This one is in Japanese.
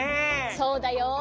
そうだよ。